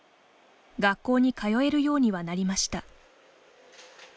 学校に通えるようにはなりました。